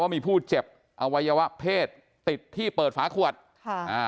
มีผู้เจ็บอวัยวะเพศติดที่เปิดฝาขวดค่ะอ่า